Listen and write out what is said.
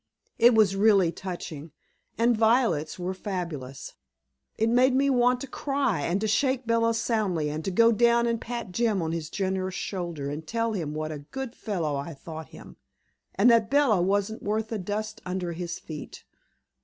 It was really touching, and violets were fabulous. It made me want to cry, and to shake Bella soundly, and to go down and pat Jim on his generous shoulder, and tell him what a good fellow I thought him, and that Bella wasn't worth the dust under his feet.